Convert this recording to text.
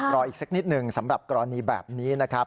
รออีกสักนิดหนึ่งสำหรับกรณีแบบนี้นะครับ